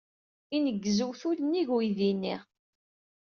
Ineggez uwtul nnig uydi-nni.